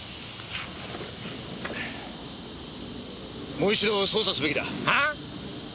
もう一度捜査すべきだ。はあ！？